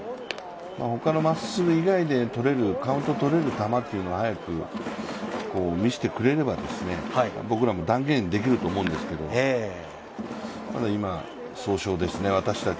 ほかのまっすぐ以外でカウント取れる球というのを早く見せてくれれば、僕らも断言できると思うんですけど、まだ今、尚早ですね。